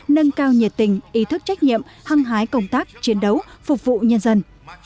nâng cao nhiệt tình ý thức trách nhiệm hăng hái công tác chiến đấu phục vụ nhân dân